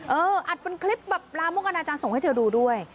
อัดเป็นคลิปแบบลามกอนาจารย์ส่งให้เธอดูด้วย